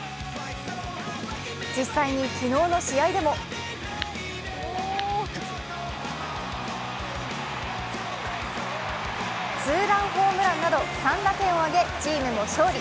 実際に昨日の試合でもツーランホームランなど３打点を挙げチームも勝利。